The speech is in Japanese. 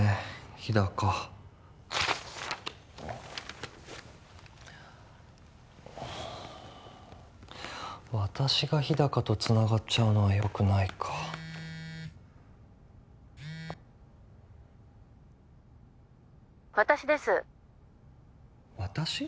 日高私が日高とつながっちゃうのはよくないか☎私です私？